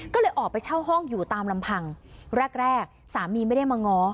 ก็เลยออกไปเช่าห้องอยู่ตามลำพังแรกแรกสามีไม่ได้มาง้อ